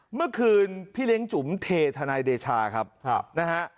เมื่อคืนพี่เลี้ยงจุ๋มเททนายเดชาครับนะฮะ